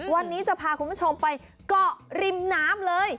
วันนี้จะพาคุณผู้ชมไปเกาะริมน้ำเลย